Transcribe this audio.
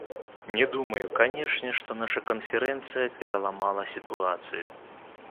Не думаю, канешне, што наша канферэнцыя пераламала сітуацыю.